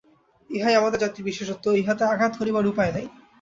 ইহাই আমাদের জাতির বিশেষত্ব, ইহাতে আঘাত করিবার উপায় নাই।